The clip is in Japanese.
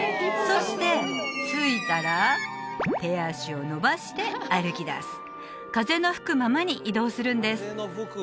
そして着いたら手足を伸ばして歩きだす風の吹くままに移動するんです